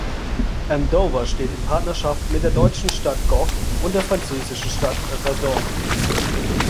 Andover steht in Partnerschaft mit der deutschen Stadt Goch und der französischen Stadt Redon.